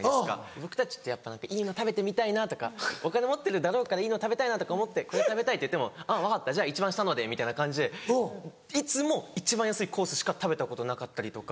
僕たちってやっぱいいの食べてみたいなとかお金持ってるだろうからいいの食べたいなとか思ってこれ食べたいって言っても「分かったじゃ一番下ので」みたいな感じでいつも一番安いコースしか食べたことなかったりとか。